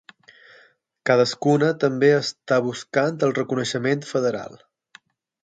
Cadascuna també està buscant el reconeixement federal.